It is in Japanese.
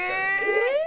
「えっ！？」